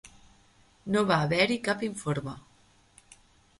No va haver-hi cap informe.